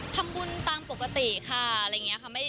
ทำบุญตามปกติค่ะอะไรอย่างนี้ค่ะ